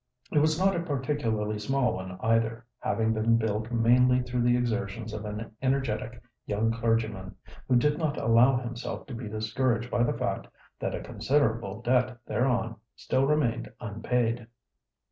It was not a particularly small one either, having been built mainly through the exertions of an energetic young clergyman, who did not allow himself to be discouraged by the fact that a considerable debt thereon still remained unpaid.